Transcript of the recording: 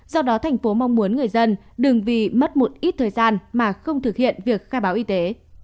do đó thành phố mong muốn người dân đừng vì mất một ít thời gian mà không thực hiện việc khai báo y tế